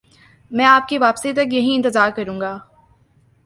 میں آپ کی واپسی تک یہیں انتظار کروں گا